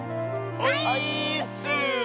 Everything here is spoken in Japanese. オイーッス！